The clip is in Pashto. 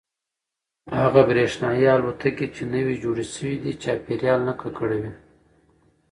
هغه برېښنايي الوتکې چې نوې جوړې شوي دي چاپیریال نه ککړوي.